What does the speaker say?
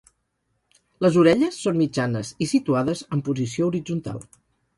Les orelles són mitjanes i situades en posició horitzontal.